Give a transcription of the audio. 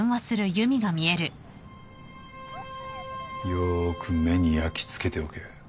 よーく目に焼きつけておけ。